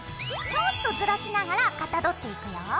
ちょっとずらしながらかたどっていくよ。